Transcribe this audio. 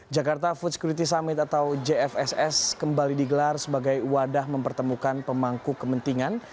jakarta food security summit atau jfss kembali digelar sebagai wadah mempertemukan pemangku kepentingan